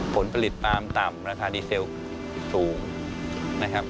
ผลผลิตปาล์มต่ำราคาดีเซลสูงนะครับ